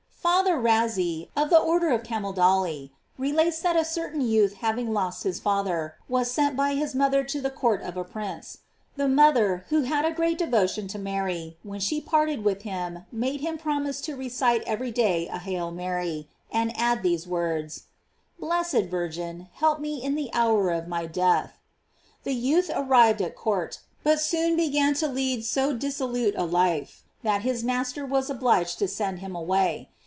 Father Razzi, of the order of Camaldoli, relates that a certain youth having lost his father, was sent by his mother to the court of a princ e. { The mother, who had a great devotion to Mary, when she parted with him made him promise to recite every day a "Hail Mary," and add these words: "Blessed Virgin, help me in the hour of my death" The youth arrived at court, but soon began to lead so dissolute a life, that his master was obliged to send him away.